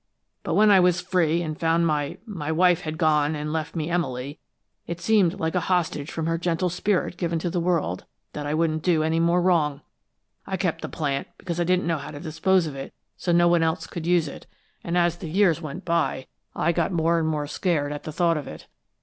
But when I was free and found my my wife had gone and left me Emily, it seemed like a hostage from her gentle spirit given to the world, that I wouldn't do any more wrong. I kept the plant because I didn't know how to dispose of it so no one else could use it, and as the years went by, I got more and more scared at the thought of it.